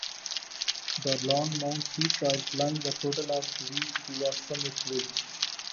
The long Mount Si trail climbs a total of reach to the summit ridge.